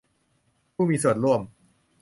ผู้มีส่วนร่วม